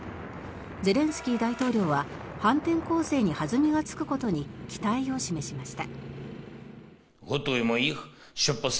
ゼレンスキー大統領は反転攻勢に弾みがつくことに期待を示しました。